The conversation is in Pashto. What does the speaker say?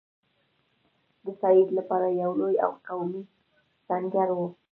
د سید لپاره یو لوی او قوي سنګر وو.